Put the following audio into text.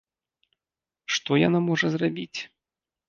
Што яна можа зрабіць?